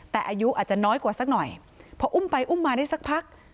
แต่อายุอาจจะน้อยกว่าสักหน่อยพออุ้มไปอุ้มมาได้สักพัก